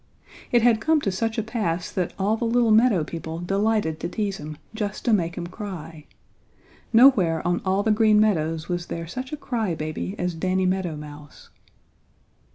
It had come to such a pass that all the little meadow people delighted to tease him just to make him cry. Nowhere on all the Green Meadows was there such a cry baby as Danny Meadow Mouse.